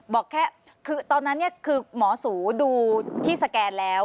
บอกแค่คือตอนนั้นคือหมอสูดูที่สแกนแล้ว